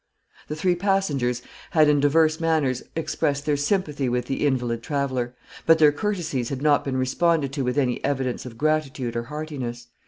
The three passengers had, in divers manners, expressed their sympathy with the invalid traveller; but their courtesies had not been responded to with any evidence of gratitude or heartiness.